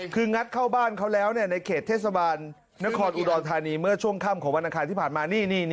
คืองัดเข้าบ้านเขาแล้วในเขตเทศบาลนครอุดรธานีเมื่อช่วงค่ำของวันอังคารที่ผ่านมา